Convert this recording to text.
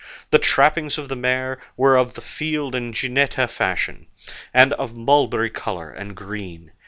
The trappings of the mare were of the field and jineta fashion, and of mulberry colour and green.